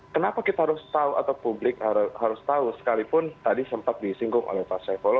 kenapa kita harus tahu atau publik harus tahu sekalipun tadi sempat disinggung oleh pak saifullah